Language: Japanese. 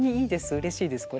うれしいですこれは。